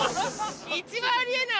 一番あり得ない。